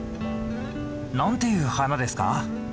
何ていう花ですか？